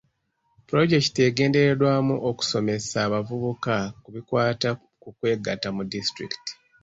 Pulojekiti egendereddwamu kusomesa abavubuka ku bikwata ku kwegatta mu disitulikiti.